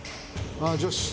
あっ女子。